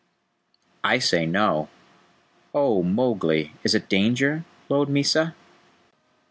"I say no. Oh, Mowgli, is it danger?" lowed Mysa.